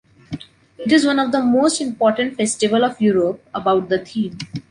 It is one of the most important festival of Europe about the theme.